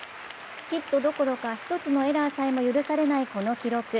ヒットどころか、１つのエラーさえも許されない、この記録。